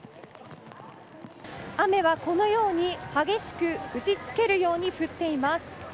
雨はこのように激しく打ち付けるように降っています。